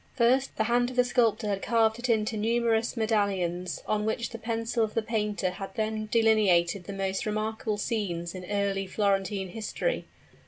First, the hand of the sculptor had carved it into numerous medallions, on which the pencil of the painter had then delineated the most remarkable scenes in early Florentine history.